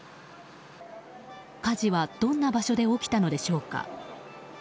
火事はどんな場所で起きたのでしょうか。